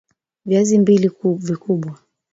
Viazi mbili vikubwa